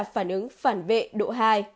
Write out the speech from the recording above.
đã phản ứng phản vệ độ hai